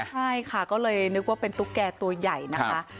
ใช่ค่ะก็เลยนึกว่าเป็นตุ๊กแก่ตัวใหญ่นะคะ